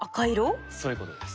そういうことです。